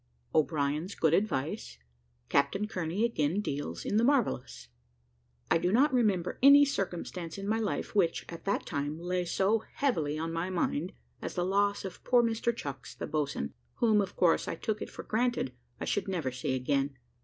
O'BRIEN'S GOOD ADVICE CAPTAIN KEARNEY AGAIN DEALS IN THE MARVELLOUS. I do not remember any circumstance in my life which, at that time, lay so heavily on my mind, as the loss of poor Mr Chucks, the boatswain, whom, of course, I took it for granted I should never see again.